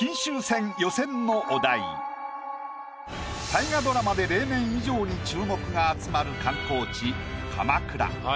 大河ドラマで例年以上に注目が集まる観光地鎌倉。